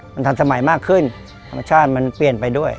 มันทันสมัยมากขึ้นธรรมชาติมันเปลี่ยนไปด้วย